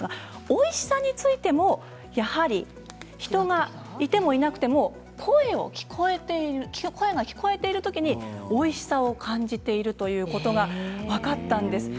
おいしさについても、やはり人がいてもいなくても声が聞こえているときにおいしさを感じているということが分かったんです。